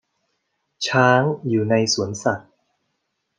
ช้างอยู่ในสวนสัตว์